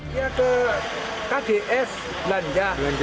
dia ke kgs belanja